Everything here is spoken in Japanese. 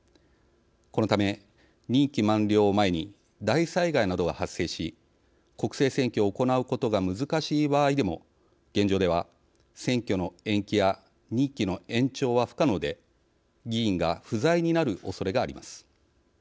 このため、任期満了を前に大災害などが発生し国政選挙を行うことが難しい場合でも現状では選挙の延期や任期の延長は不可能で議員が不在になるおそれがあります。